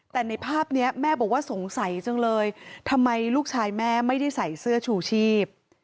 แต่ในภาพนี้แม่บอกว่าสงสัยจังเลยทำไมลูกชายแม่ไม่ได้ใส่เสื้อชูชีพ